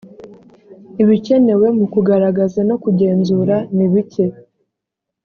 ibikenewe mu kugaragaza no kugenzura nibike.